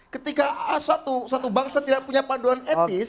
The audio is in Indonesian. ketika suatu bangsa tidak punya panduan etis